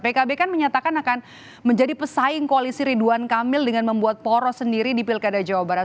pkb kan menyatakan akan menjadi pesaing koalisi ridwan kamil dengan membuat poros sendiri di pilkada jawa barat